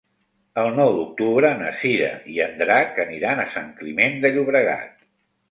El nou d'octubre na Cira i en Drac aniran a Sant Climent de Llobregat.